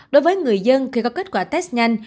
đối với người dân khi có kết quả test nhanh